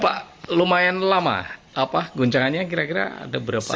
pak lumayan lama guncangannya kira kira ada berapa